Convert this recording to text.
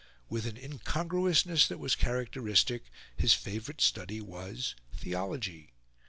With an incongruousness that was characteristic, his favourite study was theology.